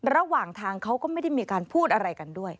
ระหว่างทางเขาก็ไม่ได้มีการพูดอะไรกันด้วย